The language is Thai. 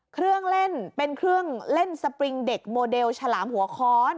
เครื่องเล่นเป็นเครื่องเล่นสปริงเด็กโมเดลฉลามหัวค้อน